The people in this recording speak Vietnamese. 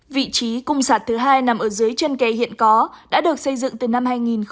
vị trí cung sạt thứ hai nằm ở dưới chân kè hiện có đã được xây dựng từ năm hai nghìn một mươi